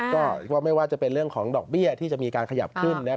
ก็ไม่ว่าจะเป็นเรื่องของดอกเบี้ยที่จะมีการขยับขึ้นนะครับ